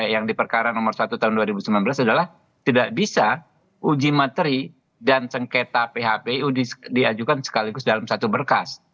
yang di perkara nomor satu tahun dua ribu sembilan belas adalah tidak bisa uji materi dan sengketa phpu diajukan sekaligus dalam satu berkas